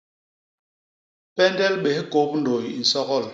Pendel bés kôp ndôy i nsogol.